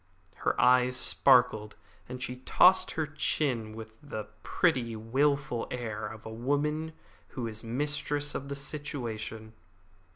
Her eyes sparkled, and she tossed her chin with the pretty, wilful air of a woman who is mistress of the situation.